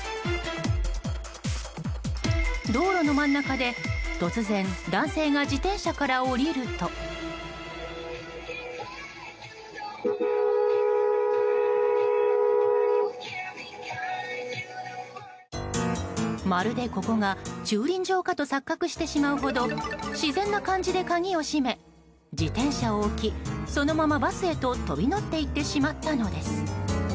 道路の真ん中で、突然男性が自転車から降りるとまるで、ここが駐輪場かと錯覚してしまうほど自然な感じで鍵を閉め自転車を置きそのまま、バスへと飛び乗っていってしまったのです。